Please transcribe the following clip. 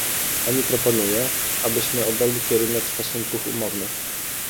Pani proponuje, abyśmy obrali kierunek stosunków umownych